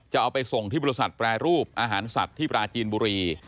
จะเอาไปส่งที่บริษัทแปรรูปอาหารสัตว์ที่ปราจีนบุรี